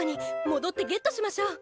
戻ってゲットしましょう。